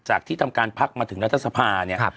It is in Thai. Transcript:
ที่ทำการพักมาถึงรัฐสภาเนี่ย